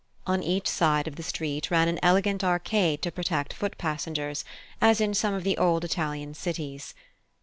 On each side of the street ran an elegant arcade to protect foot passengers, as in some of the old Italian cities.